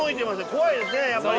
怖いですねやっぱり。